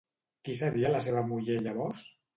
Qui seria la seva muller llavors?